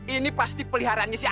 ini pasti peliharaannya si anas